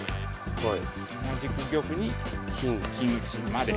はい。